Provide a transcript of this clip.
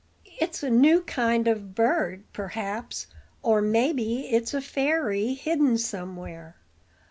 "It's a new kind of bird, perhaps; or maybe it's a fairy hidden somewhere.